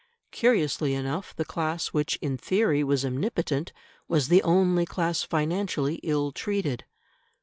Curiously enough the class which in theory was omnipotent, was the only class financially ill treated.